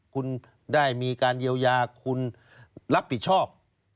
คุณได้มีการเยียวยาคุณรับผิดชอบ